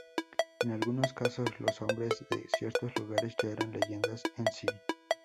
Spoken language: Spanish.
En algunos casos los nombres de ciertos lugares ya eran leyendas en sí.